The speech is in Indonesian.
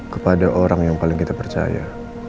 kepada orang yang paling kita percaya